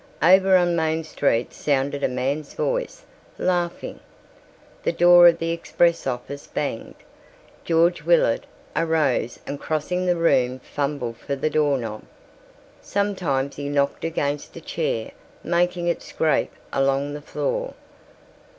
Over on Main Street sounded a man's voice, laughing. The door of the express office banged. George Willard arose and crossing the room fumbled for the doorknob. Sometimes he knocked against a chair, making it scrape along the floor.